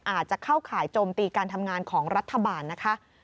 อาจจะเข้าข่ายโจมตีการทำงานของรัฐบาลนะคะ